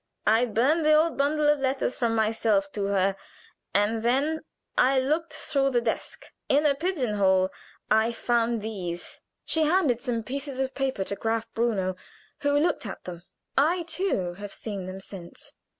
I burned the old bundle of letters from myself to her, and then I looked through the desk. In a pigeon hole I found these." She handed some pieces of paper to Graf Bruno, who looked at them. I, too, have seen them since.